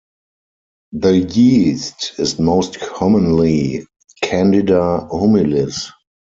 The yeast is most commonly "Candida humilis".